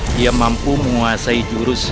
dia mampu menguasai jurus